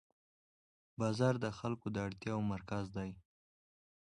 بازار د خلکو د اړتیاوو مرکز دی